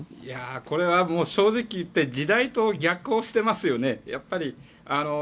これは、正直言って時代と逆行してますよね。